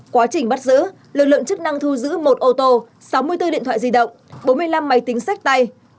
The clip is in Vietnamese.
quá trình bắt giữ lực lượng chức năng thu giữ một ô tô sáu mươi bốn điện thoại di động bốn mươi năm máy tính sách tay